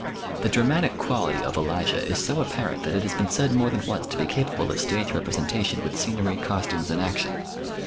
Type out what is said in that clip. The dramatic quality of "Elijah" is so apparent that it has been said more than once to be capable of stage representation with scenery, costumes and action.